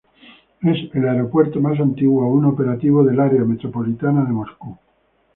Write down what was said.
Es el aeropuerto más antiguo aún operativo del área metropolitana de Moscú.